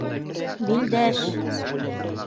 Билдәш!